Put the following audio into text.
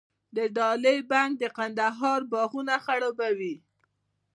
د دهلې بند د کندهار باغونه خړوبوي.